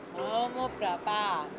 mau mau berapa